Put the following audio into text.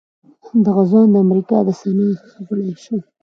دغه ځوان د امريکا د سنا غړی شو.